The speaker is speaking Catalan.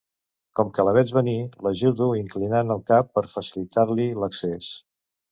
Com que la veig venir l'ajudo inclinant el cap per facilitar-li l'accés.